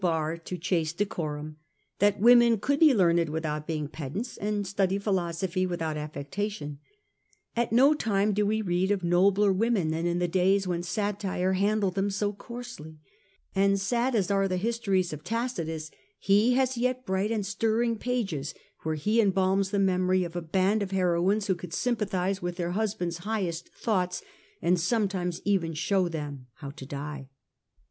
bar to chaste decorum, that women could be learned without being pedants, and study philosophy without affectation. At no time do we read of nobler women than in the days when satire handled them so coarsely ; and, sad as are the histories of Tacitus, he has yet bright and stirring pages where he embalms the memory of a band of heroines who could sympathize with their husbands' highest thoughts, and sometimes even show them how to die.